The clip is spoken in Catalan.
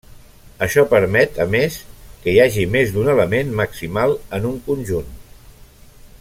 Això permet, a més, que hi hagi més d'un element maximal en un conjunt.